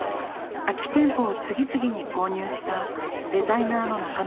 空き店舗を次々に購入したデザイナーの中野さん。